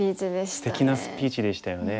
すてきなスピーチでしたよね。